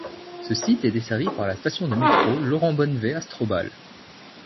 Ce site est desservi par la station de métro Laurent Bonnevay - Astroballe.